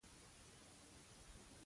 کله چې په شخړه پوه شئ.